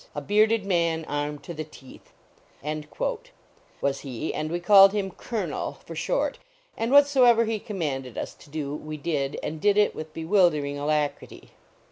A bearded man, Armed to the teeth " was he, and we called him " Colonel " for short, and whatsoever he commanded us to do we did, and did it with bewildering alacrity.